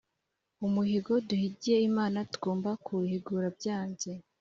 umuhigo duhigiye imana tugomba kuwuhigura byanze